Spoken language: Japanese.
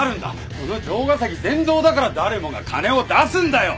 この城ヶ崎善三だから誰もが金を出すんだよ。